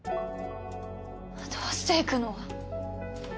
どうして行くの？